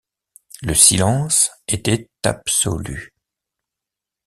Le silence était absolu.